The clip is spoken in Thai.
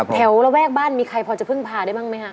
ระแวกบ้านมีใครพอจะพึ่งพาได้บ้างไหมฮะ